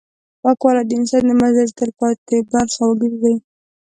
پاکوالی د انسان د مزاج تلپاتې برخه وګرځي.